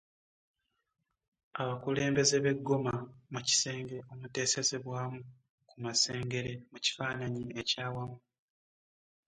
Abakulembeze b’e Goma mu kisenge omuteesezebwa ku Masengere mu kifaananyi ekyawamu.